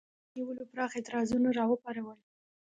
د هغې نیولو پراخ اعتراضونه را وپارول.